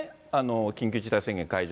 緊急事態宣言解除。